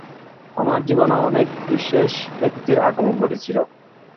আমার জীবনে অনেক বিশেষ ব্যাক্তির আগমন ঘটেছিল।